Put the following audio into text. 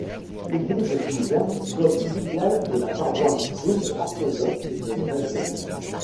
L'église est ouverte comme filiale de la paroisse russe-orthodoxe de Dresde.